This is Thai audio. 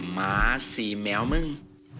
หมาสี่แมวมึง